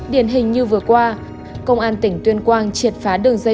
điển hình như vừa qua công an tỉnh tuyên quang triệt phá đường dây